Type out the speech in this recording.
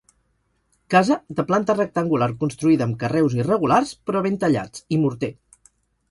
Casa de planta rectangular construïda amb carreus irregulars però ben tallats, i morter.